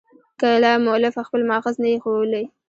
کله مؤلف خپل مأخذ نه يي ښولى.